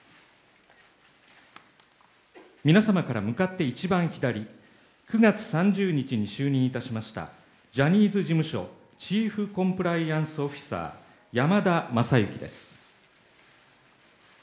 皆様から向かって一番左９月３０日に就任いたしましたジャニーズ事務所チーフコンプライアンスオフィサー、山田将之です。